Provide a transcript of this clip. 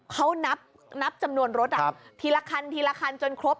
เขานับจำนวนรถทีละคันทีละคันจนครบ